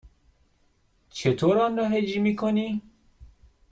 چطور آن را هجی می کنی؟